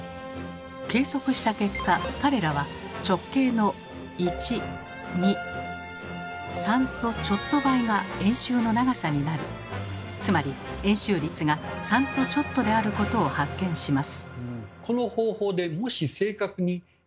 計測した結果彼らは直径の１２３とちょっと倍が円周の長さになるつまり円周率が３とちょっとであることを発見します。